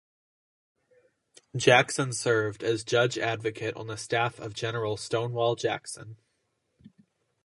Jackson served as judge advocate on the staff of General Stonewall Jackson.